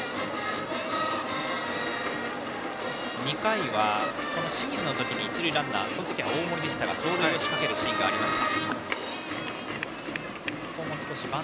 ２回は清水の時に一塁ランナーはその時は大森でしたが盗塁を仕掛けるシーンがありました。